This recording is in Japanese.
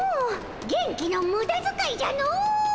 元気のムダづかいじゃの！